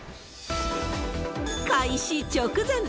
開始直前。